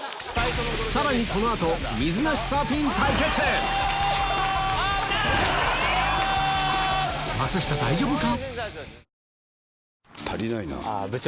さらにこの後松下大丈夫か？